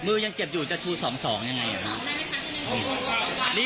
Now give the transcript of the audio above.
มือยังเจ็บอยู่ก็ดูสองสองยังไงครับ